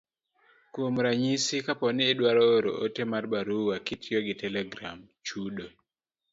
Kuom ranyisi, kapo ni idwaro oro ote mar barua kitiyo gi telegram, chudo